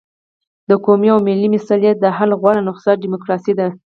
د قومي او ملي مسلې د حل غوره نسخه ډیموکراسي ده.